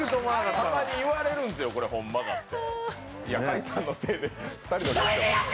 たまに言われるんですよ、これほんまかって。